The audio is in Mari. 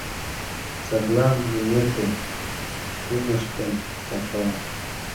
Садлан лӱметым шӱмыштем саклем.